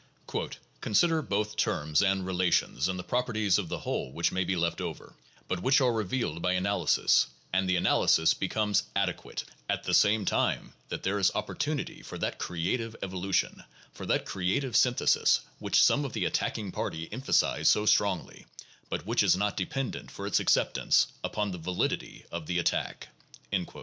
'' Con sider both terms and relations and the properties of the whole which may be left over, but which are revealed by analysis, and the analysis becomes adequate at the same time that there is opportunity for that 'creative evolution,' for that creative synthesis which some of the attacking party emphasize so strongly, but which is not dependent, for its acceptance, upon the validity of the attack" (p. 168.)